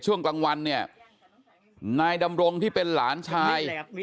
ช่วงกลางวันเนี่ยนายดำรงที่เป็นหลานชาย